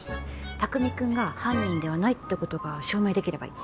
卓海くんが犯人ではないってことが証明できればいい。